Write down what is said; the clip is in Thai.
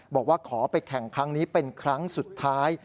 บอกว่าขอไปแข่งครั้งนี้เป็นครั้งสุดท้าย